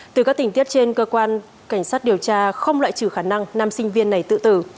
từ các tình tiết trên cơ quan cảnh sát điều tra không loại trừ khả năng nam sinh viên này tự tử